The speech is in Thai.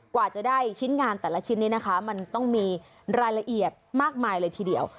กว่าจะได้ชิ้นงานแต่ละชิ้นนี้นะคะมันต้องมีรายละเอียดมากมายเลยทีเดียว